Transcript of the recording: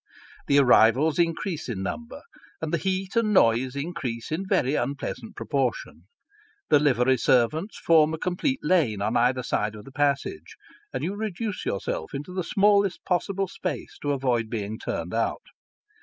The arrivals increase in number, and the heat and noise increase in very unpleasant proportion. The livery servants form a complete lane on either side of the passage, and you reduce yourself into the smallest possible space to avoid being turned out.